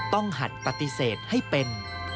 หัดปฏิเสธให้เป็น